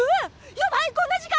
やばいこんな時間！